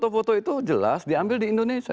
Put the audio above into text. karena foto foto itu jelas diambil di indonesia